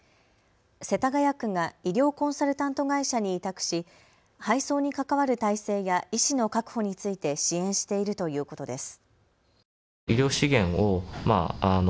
世田谷区が医療コンサルタント会社に委託し配送に関わる態勢や医師の確保について支援しているということです。